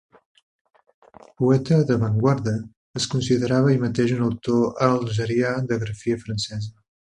Poeta d'avantguarda, es considerava ell mateix un autor algerià de grafia francesa.